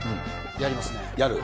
やりますね。